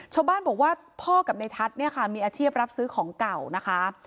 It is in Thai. ชาวบ้านบอกว่าพ่อกับในทัศน์เนี่ยค่ะมีอาชีพรับซื้อของเก่านะคะ